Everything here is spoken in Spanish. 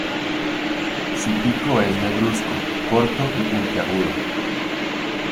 Su pico es negruzco, corto y puntiagudo.